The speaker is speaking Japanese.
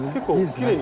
きれい。